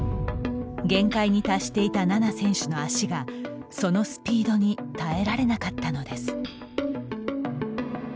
限界に達していた菜那選手の足がそのスピードに耐えられなかったのです。